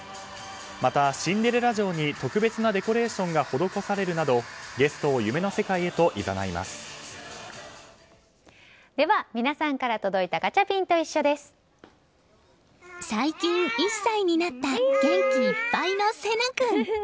またシンデレラ城に特別なデコレーションが施されるなどゲストを夢の世界へとでは皆さんから届いた最近１歳になった元気いっぱいのせな君。